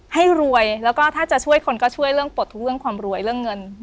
ให้รวยแล้วก็ถ้าจะช่วยคนก็ช่วยเรื่องปลดทุกเรื่องความรวยเรื่องเงิน